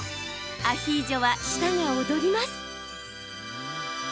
アヒージョは舌が躍ります。